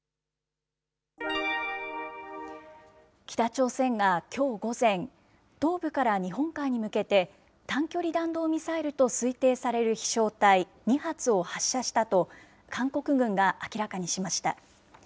北朝鮮がきょう午前、東部から日本海に向けて、短距離弾道ミサイルと推定される飛しょう体２発を発射したと、韓国軍が明らかにしました。